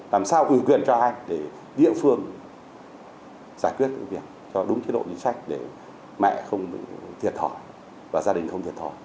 làm sao gửi quyền cho ai để địa phương giải quyết việc cho đúng thế độ chính sách để mẹ không thiệt thỏa và gia đình không thiệt thỏa